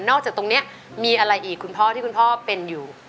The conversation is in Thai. จากตรงนี้มีอะไรอีกคุณพ่อที่คุณพ่อเป็นอยู่